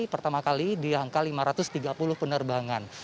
pertama kali di angka lima ratus tiga puluh penerbangan